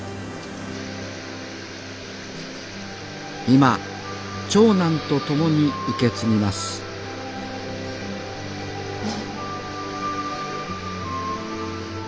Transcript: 今長男と共に受け継ぎますああ